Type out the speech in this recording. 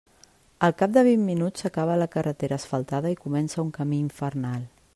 Al cap de vint minuts s'acaba la carretera asfaltada i comença un camí infernal.